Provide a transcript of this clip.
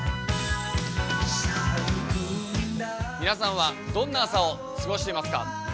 皆さんは、どんな朝を過ごしていますか？